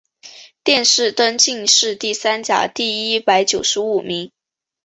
殿试登进士第三甲第一百九十五名。